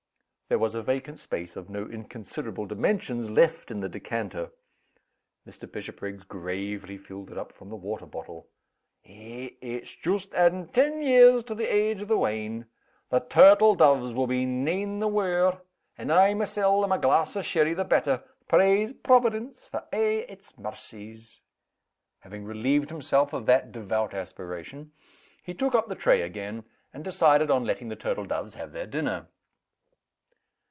There was a vacant space, of no inconsiderable dimensions, left in the decanter. Mr. Bishopriggs gravely filled it up from the water bottle. "Eh! it's joost addin' ten years to the age o' the wine. The turtle doves will be nane the waur and I mysel' am a glass o' sherry the better. Praise Providence for a' its maircies!" Having relieved himself of that devout aspiration, he took up the tray again, and decided on letting the turtle doves have their dinner.